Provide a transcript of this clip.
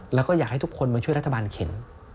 แล้วก็อยากให้ทุกคนมาช่วยรัฐบาลเข็น